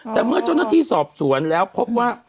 แต่เมื่อเจ้าหน้าที่สอบสวนแล้วพบว่า